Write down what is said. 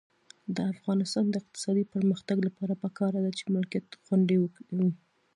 د افغانستان د اقتصادي پرمختګ لپاره پکار ده چې ملکیت خوندي وي.